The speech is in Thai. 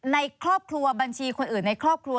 ในครอบครัวบัญชีคนอื่นในครอบครัว